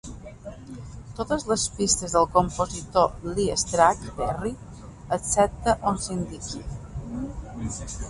Totes les pistes del compositor Lee "Scratch" Perry, excepte on s'indiqui.